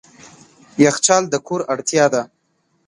یخچال د کور اړتیا ده.